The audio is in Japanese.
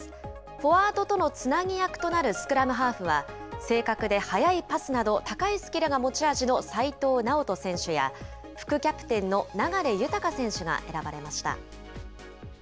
フォワードとのつなぎ役となるスクラムハーフは、正確で速いパスなど、高いスキルが持ち味の齋藤直人選手や副キャプテンの流大選手が選ばれました。